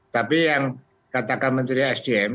tapi yang katakan menteri sdm